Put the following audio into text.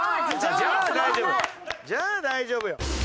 じゃあ大丈夫よ。